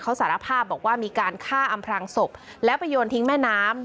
เขาสารภาพบอกว่ามีการฆ่าอำพรางศพแล้วไปโยนทิ้งแม่น้ำ